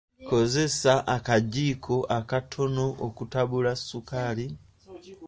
Kozesa akajjiiko akatono okutabula ssukaali.